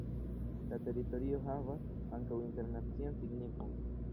La teritorio havas ankaŭ internacian signifon.